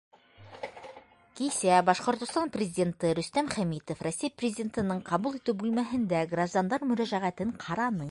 Кисә Башҡортостан Президенты Рөстәм Хәмитов Рәсәй Президентының ҡабул итеү бүлмәһендә граждандар мөрәжәғәтен ҡараны.